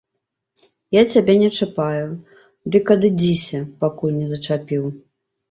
Я цябе не чапаю, дык адыдзіся, пакуль не зачапіў.